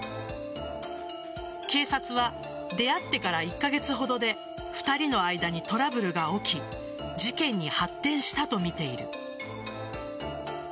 警察は出会ってから１カ月ほどで２人の間にトラブルが起き事件に発展したとみている。